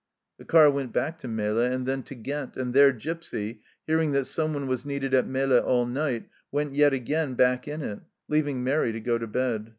The car went back to Melle and then to Ghent, and there Gipsy, hearing that someone was needed at Melle all night, went yet again back in it, leaving Mairi to go to bed.